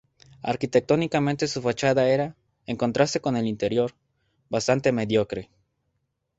Arquitectónicamente su fachada era, en contraste con el interior, bastante mediocre.